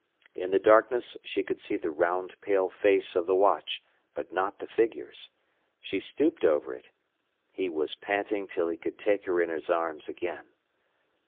In the darkness she could see the round, pale face of the watch, but not the figures. She stooped over it. He was panting till he could take her in his arms again.